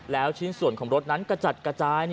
แล้วชิ้นส่วนของรถนั้นกระจัดกระจาย